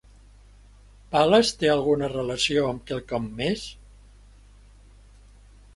Pales té alguna relació amb quelcom més?